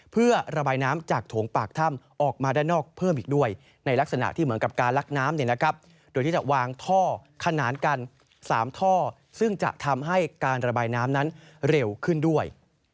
เพื่อระบายน้ำจากโถงปากถ้ำออกมาด้านนอกเพิ่มอีกด้วยในลักษณะที่เหมือนกับการลักน้ำโดยที่จะวางท่อขนานกัน๓ท่อซึ่งจะทำให้การระบายน้ำนั้นเร็วขึ้นด้วย